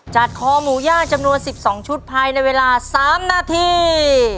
จัดคอหมูย่างจำนวนสิบสองชุดภายในเวลาสามนาที